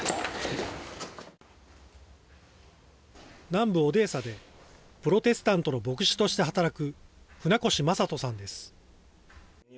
南部オデーサでプロテスタントの牧師として働く船越真人さんです。